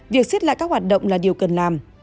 việc xiết lại các hoạt động là điều cần làm